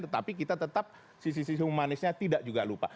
tetapi kita tetap sisi sisi humanisnya tidak juga lupa